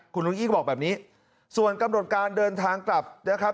คุณอุ้งอี้บอกแบบนี้ส่วนกำหนดการเดินทางกลับนะครับ